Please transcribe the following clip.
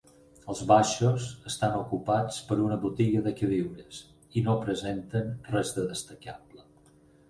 Els baixos estan ocupats per una botiga de queviures i no presenten res de destacable.